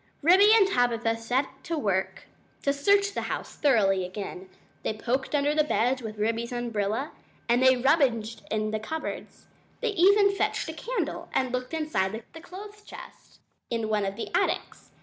Ribby and Tabitha set to work to search the house thoroughly again. They poked under the beds with Ribby's umbrella and they rummaged in cupboards. They even fetched a candle and looked inside a clothes chest in one of the attics.